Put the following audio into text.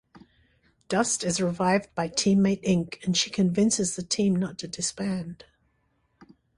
Dust is revived by teammate Ink and she convinces the team not to disband.